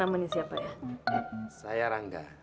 itu siapa ya